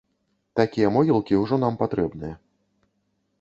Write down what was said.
Такія могілкі ўжо нам патрэбныя.